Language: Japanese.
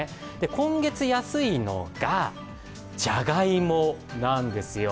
今月安いのがじゃがいもなんですよ。